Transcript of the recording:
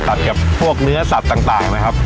กับพวกเนื้อสัตว์ต่างนะครับ